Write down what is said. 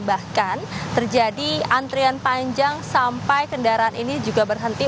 bahkan terjadi antrian panjang sampai kendaraan ini juga berhenti